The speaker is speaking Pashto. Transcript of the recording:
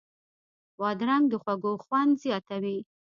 بادرنګ د خوړو خوند زیاتوي.